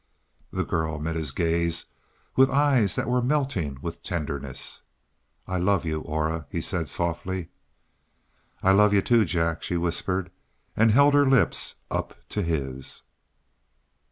The girl met his gaze with eyes that were melting with tenderness. "I love you, Aura," he said softly. "I love you, too, Jack," she whispered, and held her lips up to his.